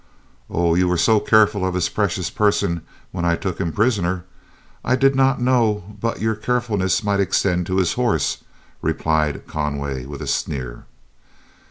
"Oh, you were so careful of his precious person when I took him prisoner, I did not know but your carefulness might extend to his horse," replied Conway, with a sneer.